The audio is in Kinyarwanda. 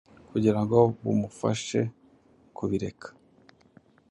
kugira ngo bumufashe kubireka.